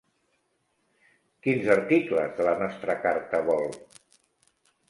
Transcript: Quins articles de la nostra carta vol?